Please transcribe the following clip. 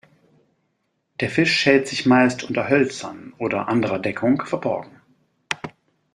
Der Fisch hält sich meist unter Hölzern oder anderer Deckung verborgen.